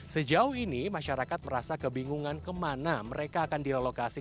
sejauh ini masyarakat merasa kebingungan kemana mereka akan direlokasi